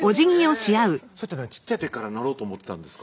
それって小っちゃい時からなろうと思ってたんですか？